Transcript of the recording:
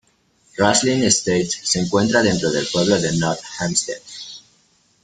Roslyn Estates se encuentra dentro del pueblo de North Hempstead.